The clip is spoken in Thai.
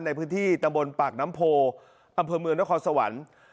ในพื้นที่ตะบนปากน้ำโพอำเภอเมืองนครสวรรค์